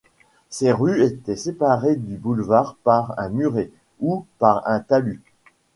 Ces rues étaient séparées du boulevard par un muret ou par un talus.